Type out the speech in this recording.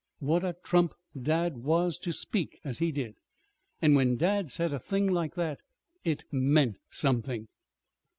What a trump dad was to speak as he did! And when dad said a thing like that, it meant something!